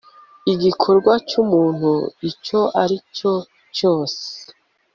igikorwa cy'umuntu icyo ari cyo cyose